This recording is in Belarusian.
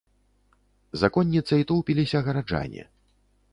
За конніцай тоўпіліся гараджане.